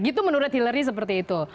gitu menurut hillary seperti itu